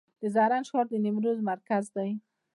د زرنج ښار د نیمروز مرکز دی